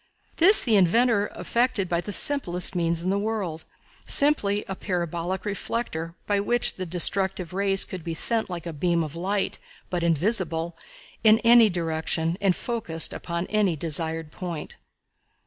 This the inventor effected by the simplest means in the world simply a parabolic reflector by which the destructive waves could be sent like a beam of light, but invisible, in any direction and focused upon any desired point.